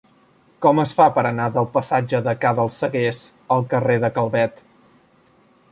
Com es fa per anar del passatge de Ca dels Seguers al carrer de Calvet?